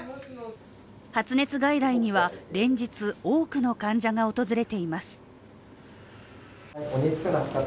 発熱外来には連日、多くの患者が訪れています。